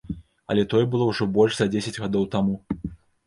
Але тое было ужо больш за дзесяць гадоў таму!